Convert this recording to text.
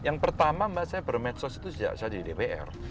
yang pertama mbak saya bermedsos itu sejak saya di dpr